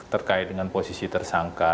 terkait dengan posisi tersangka